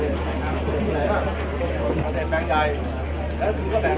เมืองอัศวินธรรมดาคือสถานที่สุดท้ายของเมืองอัศวินธรรมดา